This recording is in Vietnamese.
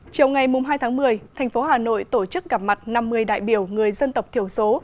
chiều ngày hai tháng một mươi thành phố hà nội tổ chức gặp mặt năm mươi đại biểu người dân tộc thiểu số